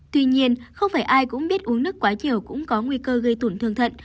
tuy nhiên không phải ai cũng biết uống nước quá nhiều cũng có nguy cơ gây tổn thương thận